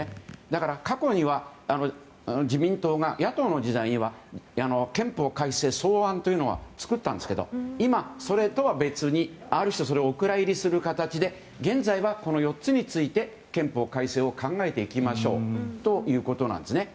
だから過去には自民党が野党の時代には憲法改正草案というのを作ったんですけど今、それとは別にある種、それをお蔵入りする形で現在はこの４つについて憲法改正を考えていきましょうということなんです。